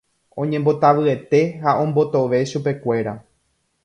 Oñembotavyete ha ombotove chupekuéra.